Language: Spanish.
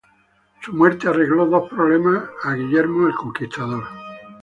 Su muerte arregló dos problemas a Guillermo el Conquistador.